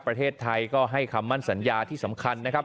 ประเทศไทยก็ให้คำมั่นสัญญาที่สำคัญนะครับ